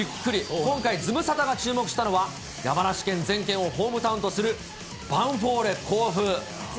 今回、ズムサタが注目したのは、山梨県ぜんけんをホームタウンとするヴァンフォーレ甲府。